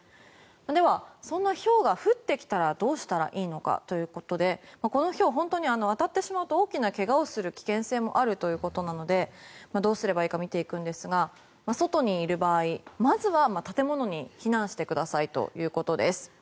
ではそんなひょうが降ってきたらどうしたらいいのかということでこのひょう本当に当たってしまうと大きな怪我をする危険性もあるということなのでどうすればいいのか見ていくんですが外にいる場合まずは建物に避難してくださいということです。